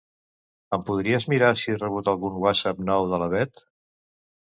Em podries mirar si he rebut algun whatsapp nou de la Beth?